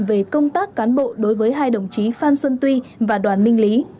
về công tác cán bộ đối với hai đồng chí phan xuân tuy và đoàn minh lý